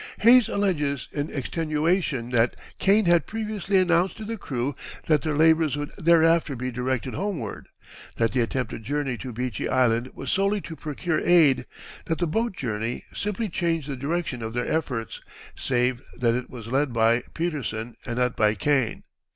[Illustration: Upernivik.] Hayes alleges in extenuation that Kane had previously announced to the crew that their labors would thereafter be directed homeward, that the attempted journey to Beechy Island was solely to procure aid, that the "boat journey" simply changed the direction of their efforts, save that it was led by Petersen and not by Kane.